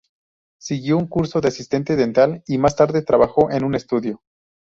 Siguió un curso de asistente dental y más tarde trabajó en un estudio.